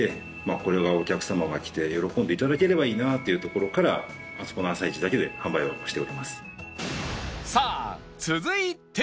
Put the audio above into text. これはお客様が来て喜んで頂ければいいなというところからあそこの朝市だけで販売をしております。